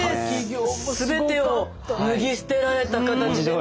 全てを脱ぎ捨てられた形でね。